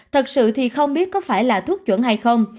thật sự thì không biết có phải là thuốc chuẩn hay không